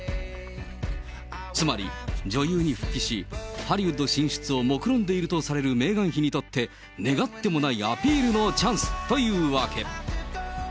つまり女優に復帰し、ハリウッド進出をもくろんでいるとされるメーガン妃にとって、願ってもないアピールのチャンスというわけ。